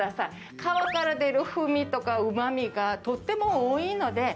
皮から出る風味とかうまみがとっても多いので。